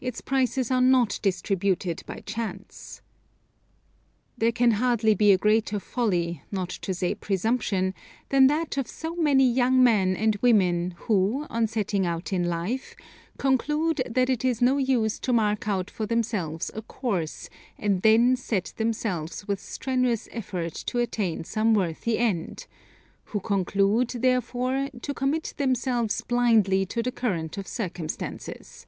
Its prizes are not distributed by chance. There can hardly be a greater folly, not to say presumption, than that of so many young men and women who, on setting out in life, conclude that it is no use to mark out for themselves a course, and then set themselves with strenuous effort to attain some worthy end; who conclude, therefore, to commit themselves blindly to the current of circumstances.